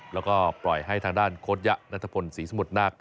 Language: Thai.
แล้วก็ปล่อยให้ทางด้านโค้ชยะนัทพลศรีสมุทรนาค